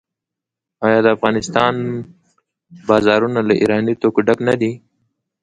آیا د افغانستان بازارونه له ایراني توکو ډک نه دي؟